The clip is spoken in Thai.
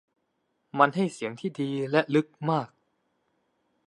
มันให้เสียงที่ดีและลึกมาก